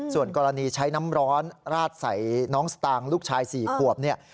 ส่วนกรณีใช้น้ำร้อนราดใส่น้องสตางค์ลูกชาย๔ขวบเนี่ย